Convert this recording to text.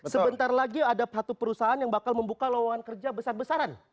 sebentar lagi ada satu perusahaan yang bakal membuka lowongan kerja besar besaran